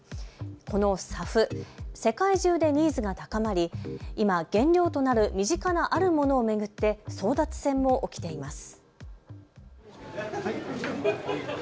このＳＡＦ、世界中でニーズが高まり今、原料となる身近なあるものを巡って争奪戦も起きています。